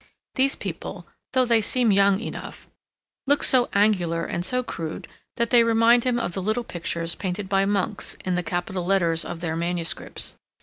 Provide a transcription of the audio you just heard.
These people, though they seem young enough, look so angular and so crude that they remind him of the little pictures painted by monks in the capital letters of their manuscripts.